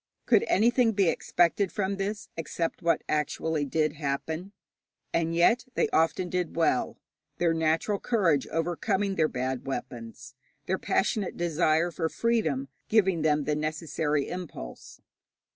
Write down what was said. Could anything be expected from this except what actually did happen? And yet they often did well, their natural courage overcoming their bad weapons, their passionate desire of freedom giving them the necessary impulse.